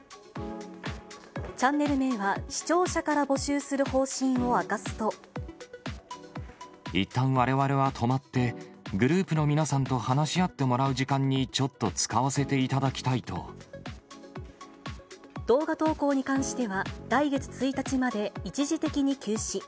チャンネル名は視聴者から募いったんわれわれは止まって、グループの皆さんと話し合ってもらう時間に、ちょっと使わせてい動画投稿に関しては、来月１日まで一時的に休止。